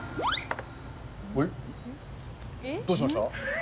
どうしました？